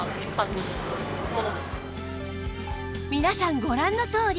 皆さんご覧のとおり